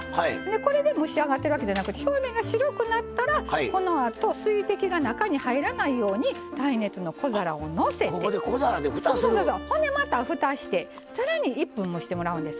これで蒸し上がってるわけじゃなくて表面が白くなったらこのあと水滴が中に入らないように耐熱の小皿をのせてほんで、また、ふたしてさらに１分蒸してもらうんです。